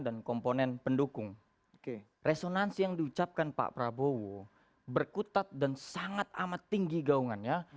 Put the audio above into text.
dan komponen pendukung resonansi yang diucapkan pak prabowo berkutat dan sangat amat tinggi gaungannya